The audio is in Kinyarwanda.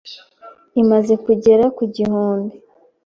imaze kugera ku gihumbi